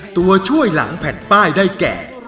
ตัวช่วยหลังแผ่นป้ายได้แก่